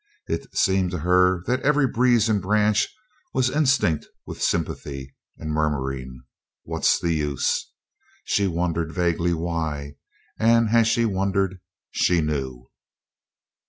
It seemed to her that every breeze and branch was instinct with sympathy, and murmuring, "What's the use?" She wondered vaguely why, and as she wondered, she knew.